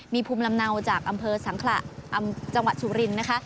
มีภูมิลำเนาจากอำเภอสังขระจังหวัดสุรินทร์นะคะ